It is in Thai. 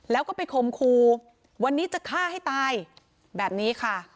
แล้วก็ไปคมครูวันนี้จะฆ่าให้ตายแบบนี้ค่ะ